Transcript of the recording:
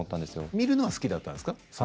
見るのは好きだったんですか。